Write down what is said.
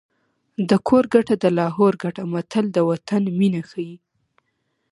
د کور ګټه د لاهور ګټه متل د وطن مینه ښيي